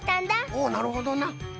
おなるほどな。